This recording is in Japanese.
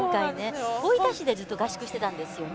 大分市でずっと合宿してたんですよね。